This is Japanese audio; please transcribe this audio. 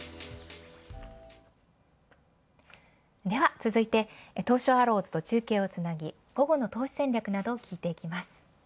では、続いて東証アローズと中継をつなぎ午後の投資戦略を聞いていきます。